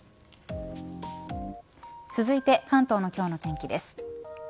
続いて関東の今日の天気です。